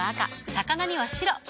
魚には白。